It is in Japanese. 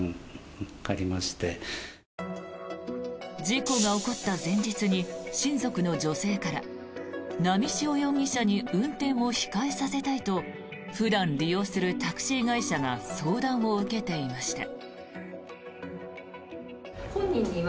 事故が起こった前日に親族の女性から波汐容疑者に運転を控えさせたいと普段、利用するタクシー会社が相談を受けていました。